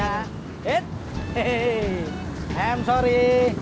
sampai jumpa lagi